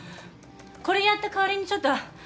これやった代わりにちょっとあのう。